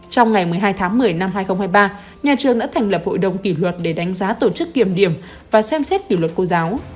trong ngày một mươi hai tháng một mươi năm hai nghìn hai mươi ba nhà trường đã thành lập hội đồng kỷ luật để đánh giá tổ chức kiểm điểm và xem xét kỷ luật cô giáo